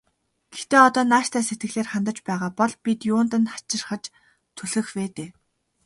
Гэхдээ одоо нааштай сэтгэлээр хандаж байгаа бол бид юунд нь хачирхаж түлхэх вэ дээ.